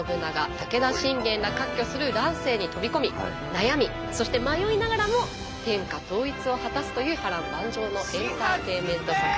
武田信玄ら割拠する乱世に飛び込み悩みそして迷いながらも天下統一を果たすという波乱万丈のエンターテインメント作品となっております。